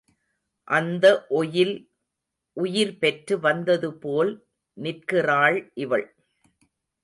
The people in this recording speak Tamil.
அந்த ஒயில் உயிர் பெற்று வந்ததுபோல் நிற்கிறாள் இவள்.